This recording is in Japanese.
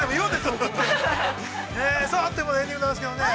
◆さあ、あっという間のエンディングでございますけどもね。